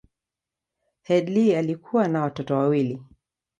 Headlee alikuwa na watoto wawili.